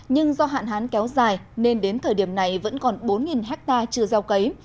nhưng do hạn hán kéo dài nên đến thời điểm này vẫn còn bốn ha trừ gieo cấy